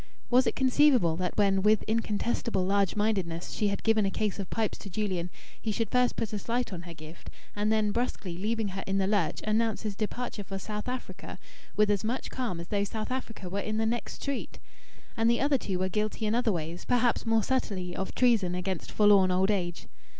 Was it conceivable that when, with incontestable large mindedness, she had given a case of pipes to Julian, he should first put a slight on her gift and then, brusquely leaving her in the lurch, announce his departure for South Africa, with as much calm as though South Africa were in the next street?... And the other two were guilty in other ways, perhaps more subtly, of treason against forlorn old age.